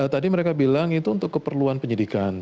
tadi mereka bilang itu untuk keperluan penyidikan